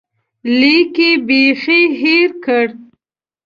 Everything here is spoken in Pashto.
لیک یې بیخي هېر کړ.